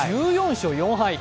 １４勝４敗。